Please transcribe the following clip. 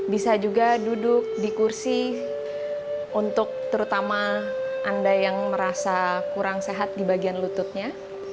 bisa juga duduk di kursi untuk terutama anda yang merasa kurang sehat di bagian lututnya